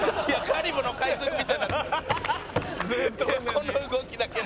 「この動きだけ」